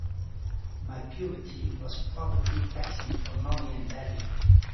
My puberty was probably taxing for mommy and daddy.